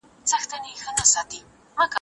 ستونزي د حل لاري لري.